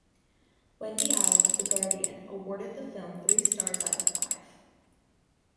Wendy Ide of "The Guardian" awarded the film three stars out of five.